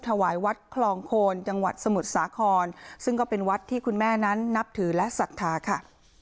ถวายวัดคลองโคนจังหวัดสมุทรสาครซึ่งก็เป็นวัดที่คุณแม่นั้นนับถือและศรัทธาค่ะ